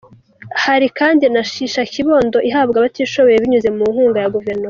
Hari kandi na ‘Shisha Kibondo’ ihabwa abatishoboye binyuze mu nkunga ya Guverinoma.